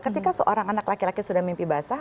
ketika seorang anak laki laki sudah mimpi basah